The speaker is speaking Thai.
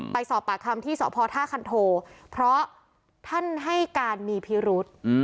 ไปสอบปากคำที่สพท่าคันโทเพราะท่านให้การมีพิรุษ